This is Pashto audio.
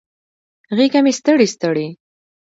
غیږه مې ستړي، ستړي